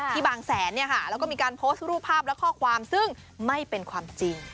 บางแสนแล้วก็มีการโพสต์รูปภาพและข้อความซึ่งไม่เป็นความจริง